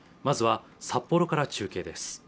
まずは札幌から中継です